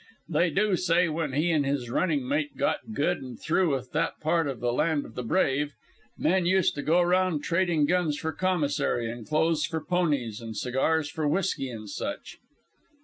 They do say when he and his running mate got good and through with that part of the Land of the Brave, men used to go round trading guns for commissary, and clothes for ponies, and cigars for whisky and such.